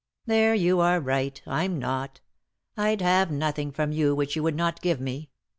" There you are right — I'm not ; I'd have nothing from you which you would not give me.